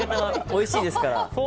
おいしいですから。